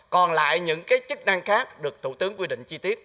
còn lại những cái chức năng khác được thủ tướng quy định chi tiết